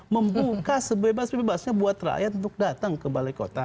membuka sebebas bebasnya buat rakyat untuk datang ke balai kota